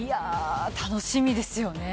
楽しみですよね。